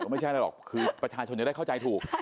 ไม่ใช่อะไรหรอกคือประชาชนจะได้เข้าใจถูก